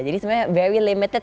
jadi sebenarnya very limited